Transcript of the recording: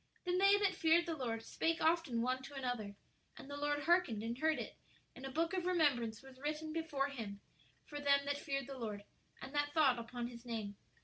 "Then they that feared the Lord spake often one to another; and the Lord hearkened, and heard it; and a book of remembrance was written before Him for them that feared the Lord, and that thought upon His name.